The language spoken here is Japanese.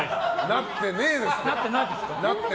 なってねえですって。